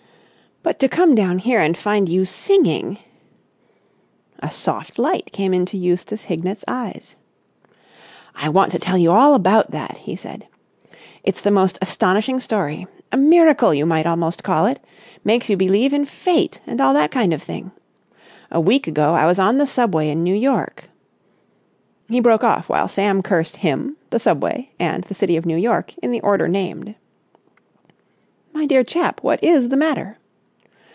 But to come down here and find you singing...." A soft light came into Eustace Hignett's eyes. "I want to tell you all about that," he said. "It's the most astonishing story. A miracle, you might almost call it. Makes you believe in Fate and all that kind of thing. A week ago I was on the Subway in New York...." He broke off while Sam cursed him, the Subway, and the city of New York in the order named. "My dear chap, what is the matter?"